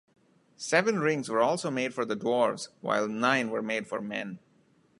Seven Rings were also made for the Dwarves, while Nine were made for Men.